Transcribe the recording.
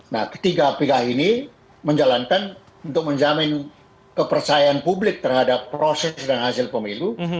nah ketiga pihak ini menjalankan untuk menjamin kepercayaan publik terhadap proses dan hasil pemilu